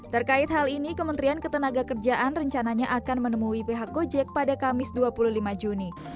terkait hal ini kementerian ketenaga kerjaan rencananya akan menemui pihak gojek pada kamis dua puluh lima juni